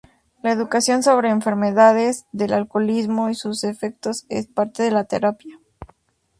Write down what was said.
La educación sobre enfermedades del alcoholismo y sus efectos es parte de la terapia.